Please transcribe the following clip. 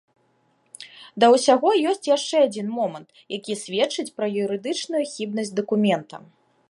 Да ўсяго ёсць яшчэ адзін момант, які сведчыць пра юрыдычную хібнасць дакумента.